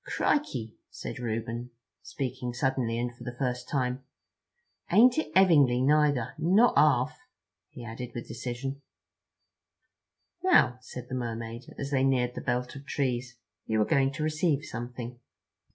"Crikey," said Reuben, speaking suddenly and for the first time, "ain't it 'evingly neither. Not arf," he added with decision. "Now," said the Mermaid, as they neared the belt of trees, "you are going to receive something."